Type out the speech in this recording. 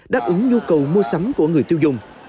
đáp ứng nhu cầu mua sắm của người tiêu dùng